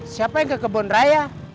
siapa yang ke kebun raya